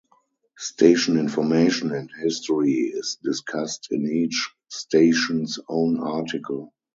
Station information and history is discussed in each station's own article.